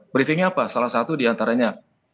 briefingnya apa salah satu diantaranya